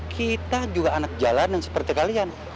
kita juga anak jalanan seperti kalian